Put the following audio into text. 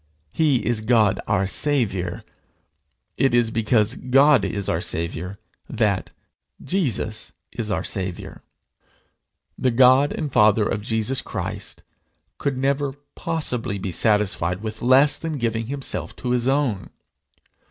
He is God our Saviour: it is because God is our Saviour that Jesus is our Saviour. The God and Father of Jesus Christ could never possibly be satisfied with less than giving himself to his own!